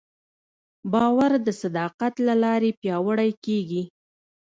باور د صداقت له لارې پیاوړی کېږي.